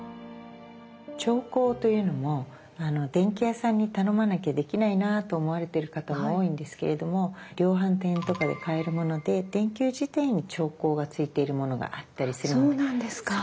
調光というのも電気屋さんに頼まなきゃできないなと思われてる方も多いんですけれども量販店とかで買えるもので電球自体に調光がついているものがあったりするんです。